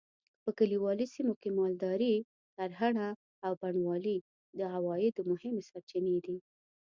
په کلیوالي سیمو کې مالداري؛ کرهڼه او بڼوالي د عوایدو مهمې سرچینې دي.